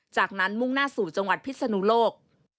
จากนั้นมุ่งหน้าสู่จังหวัดพิศนุโลก